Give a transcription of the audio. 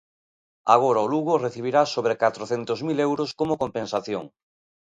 Agora o Lugo recibirá sobre catrocentos mil euros como compensación.